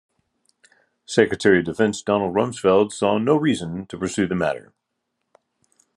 Secretary of Defense Donald Rumsfeld saw no reason to pursue the matter.